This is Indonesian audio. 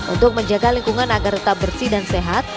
untuk menjaga lingkungan agar tetap bersih dan sehat